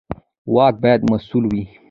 واک باید مسوول وي